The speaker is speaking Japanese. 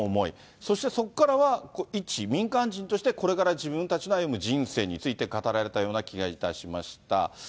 そしてそこからは、一民間人として、これから自分たちの歩む人生について語られたような気がいたしました。